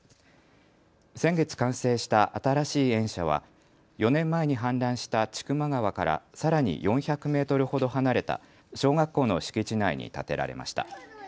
先月完成した新しい園舎は４年前に氾濫した千曲川からさらに４００メートルほど離れた小学校の敷地内に建てられました。